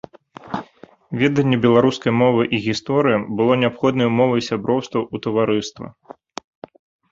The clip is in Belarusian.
Веданне беларускай мовы і гісторыі было неабходнай умовай сяброўства ў таварыства.